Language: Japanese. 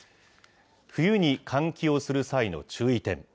冬に換気をする際の注意点。